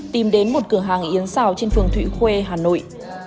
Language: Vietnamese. tìm đến một cửa hàng yến xào trên phường thụy khuê hà nội